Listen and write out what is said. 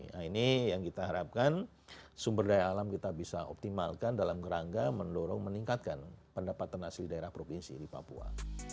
nah ini yang kita harapkan sumber daya alam kita bisa optimalkan dalam kerangka mendorong meningkatkan pendapatan asli daerah provinsi di papua